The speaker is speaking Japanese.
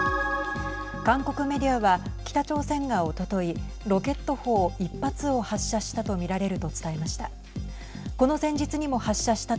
韓国メディアは北朝鮮がおとといロケット砲１発を発射したと見られると伝えました。